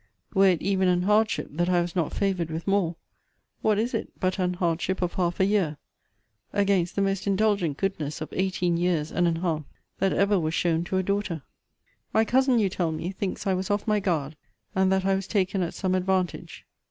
Were it even an hardship that I was not favoured with more, what is it but an hardship of half a year, against the most indulgent goodness of eighteen years and an half, that ever was shown to a daughter? My cousin, you tell me, thinks I was off my guard, and that I was taken at some advantage.